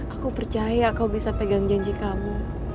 aku percaya kau bisa pegang janji kamu